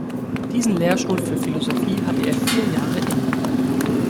Diesen Lehrstuhl für Philosophie hatte er vier Jahre inne.